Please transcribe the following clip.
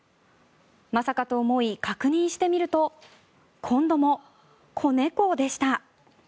まさかと思い確認してみると今度も子猫でした。